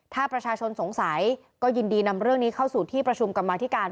ถ้าประชาชนสงสัยก็ยินดีนำเรื่องนี้เข้าสู่ที่ประชุมกรรมาธิการ